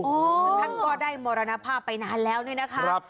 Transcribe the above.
ซึ่งท่านก็ได้มรณภาพไปนานแล้วเนี่ยนะคะ